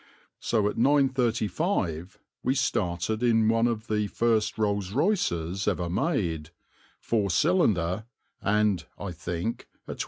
So at 9.35 we started in one of the first Rolls Royces ever made, four cylinder and, I think, a 20 h.